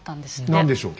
何でしょう。